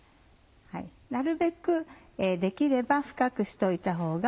なるべくできれば深くしといたほうが。